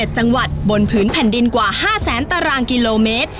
๗๗สังวัติบนผืนแผ่นดินกว่า๕๐๐๐๐๐ตารางกิโลเมตร